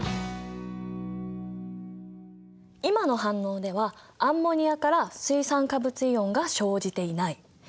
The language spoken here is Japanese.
今の反応ではアンモニアから水酸化物イオンが生じていない。